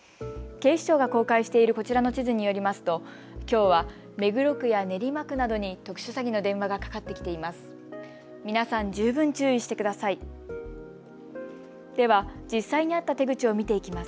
警視庁が公開しているこちらの地図によりますときょうは目黒区や練馬区などに特殊詐欺の電話がかかってきています。